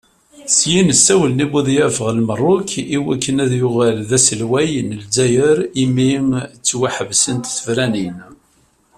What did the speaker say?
Syin, ssawlen i Buḍyaf ɣer Merruk iwakken ad yuɣal d aselway n Lezzayer imi ttwaḥebsent tefranin.